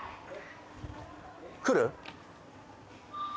来る？